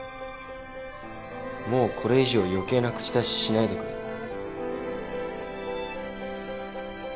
もうこれ以上余計な口出ししないでくれ。